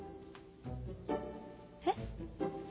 えっ？